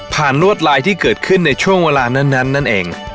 ลวดลายที่เกิดขึ้นในช่วงเวลานั้นนั่นเอง